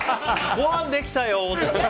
ごはんできたよーって。